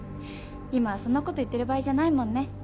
今はそんな事言ってる場合じゃないもんね。